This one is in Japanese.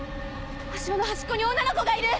足場の端っこに女の子がいる！